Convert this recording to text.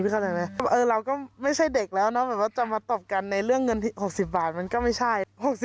เราก็ไม่ใช่เด็กแล้วจะมาตบกันในเรื่องเงินที่๖๐บาทมันก็ไม่ใช่